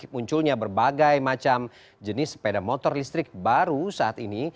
munculnya berbagai macam jenis sepeda motor listrik baru saat ini